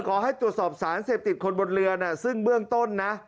ขอให้ตรวจสอบสารเสพติดคนบนเรือน่ะซึ่งเบื้องต้นนะ